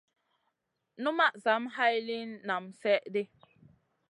Numaʼ zam hay liyn naam slèh ɗi.